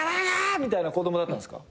みたいな子供だったんですか？